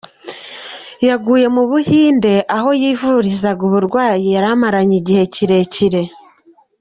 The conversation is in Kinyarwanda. Yaguye mu Buhinde aho yivurizaga uburwayi yari amaranye igihe kirekire.